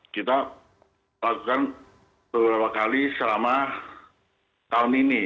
kita melakukan beberapa kali selama tahun ini